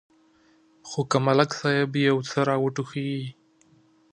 خو که ملک صاحب یو څه را وټوخېږي.